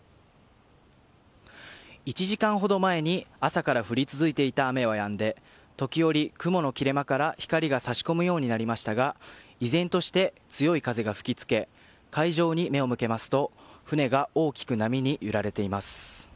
１時間ほど前に朝から降り続いていた雨がやんで時折、雲の切れ間から光が差し込むようになりましたが依然として、強い風が吹き付け海上に目を向けますと船が大きく波に揺られています。